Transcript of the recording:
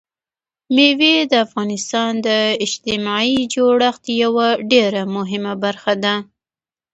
مېوې د افغانستان د اجتماعي جوړښت یوه ډېره مهمه برخه ده.